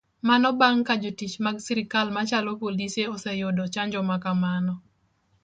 Mana bang kajotich mag sirikal machalo polise oseyudo chanjo makamano.